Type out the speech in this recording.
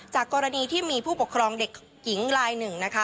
จากกรณีที่มีผู้ปกครองเด็กหญิงลาย๑นะคะ